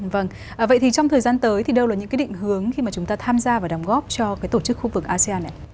vâng vậy thì trong thời gian tới thì đâu là những cái định hướng khi mà chúng ta tham gia và đóng góp cho cái tổ chức khu vực asean này